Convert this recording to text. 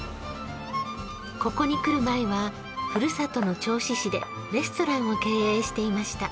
ここに来る前は故郷の銚子市でレストランを経営していました。